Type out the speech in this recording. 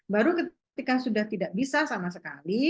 baru ketika sudah tidak bisa sama sekali